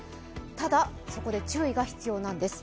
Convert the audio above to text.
ただ、そこで注意が必要なんです。